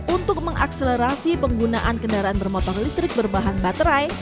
untuk mengakselerasi penggunaan kendaraan bermotor listrik berbahan baterai